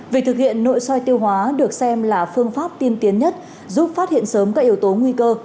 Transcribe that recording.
việc thực hiện nội soi tiêu hóa được xem là phương pháp tiên tiến nhất giúp phát hiện sớm các yếu tố nguy cơ